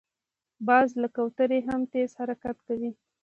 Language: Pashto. باز له کوترې هم تېز حرکت کوي